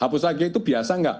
hapus lagi itu biasa nggak